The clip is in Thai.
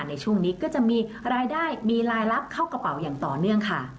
ในช่วงนี้ก็จะมีรายได้มีรายรับเข้ากระเป๋าอย่างต่อเนื่องค่ะ